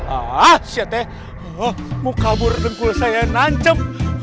ah siatnya oh mau kabur dengkul saya nancem